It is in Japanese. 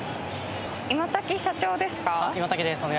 今瀧社長ですか？